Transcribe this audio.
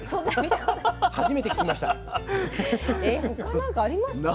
他何かありますか？